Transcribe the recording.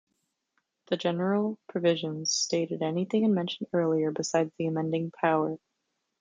The General Provisions stated anything unmentioned earlier besides the amending power.